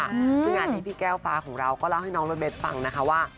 ซึ่งงานนี้พี่แก้วฟ้าของเราก็เล่าให้น้องรถเบสฟังนะคะว่า